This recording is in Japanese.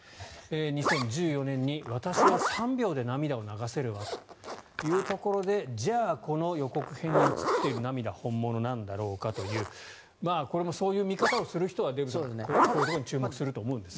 ２０１４年に、私は３秒で涙を流せるわというところでじゃあ、この予告編に映っている涙は本物なんだろうかとこれもそういう見方をする人はこういうところに注目するんだと思いますが。